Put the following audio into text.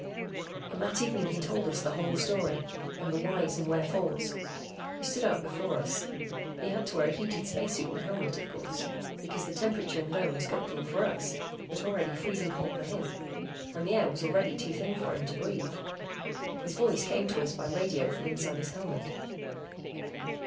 And that evening he told us the whole story and the whys and wherefores. He stood up before us. He had to wear a heated space suit and helmet, of course, because the temperature in the dome was comfortable for us but already freezing cold for him and the air was already too thin for him to breathe. His voice came to us by radio from inside his helmet.